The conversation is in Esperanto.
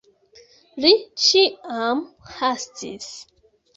Li ĉiam hastis.